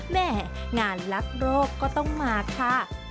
แม่งานลักโรคก็ต้องมาค่ะ